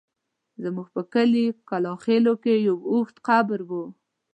زموږ په کلي کلاخېلو کې يو اوږد قبر و.